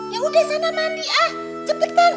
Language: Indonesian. ya udah sana mandi ah cepetan